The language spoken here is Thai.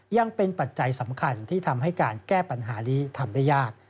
ยังเป็นปัจจัยสำคัญที่ทำให้การแก้ปัญหานี้ทำได้ยาก